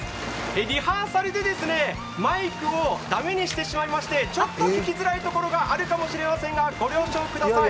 リハーサルでマイクを駄目にしてしまいましてちょっと聞きづらいところがあるかもしれませんが、ご了承ください。